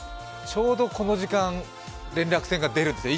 ちょうどこの時間、連絡船が出るんです。